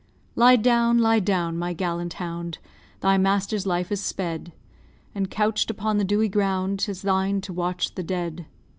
Lie down, lie down, my gallant hound! Thy master's life is sped; And, couch'd upon the dewy ground, 'Tis thine to watch the dead.